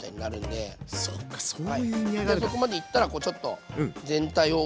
でそこまでいったらこうちょっと全体を。